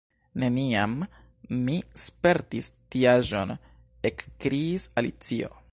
"Neniam mi spertis tiaĵon," ekkriis Alicio.